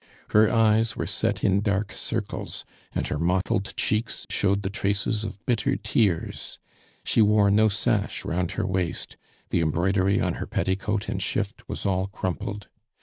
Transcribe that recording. Her eyes were set in dark circles, and her mottled cheeks showed the traces of bitter tears. She wore no sash round her waist; the embroidery on her petticoat and shift was all crumpled.